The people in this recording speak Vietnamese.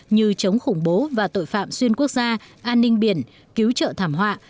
như chống khủng bố và tội phạm xuyên quốc gia an ninh biển cứu trợ thảm họa